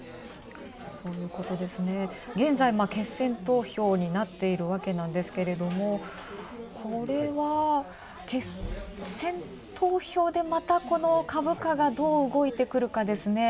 現在、決選投票になっているわけなんですけれどもこれは、決選投票でまた株価がどう動いてくるかですね。